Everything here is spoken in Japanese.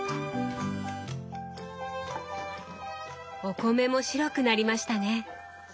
お米も白くなりましたね。